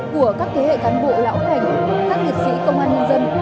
của các thế hệ cán bộ lão thành các liệt sĩ công an nhân dân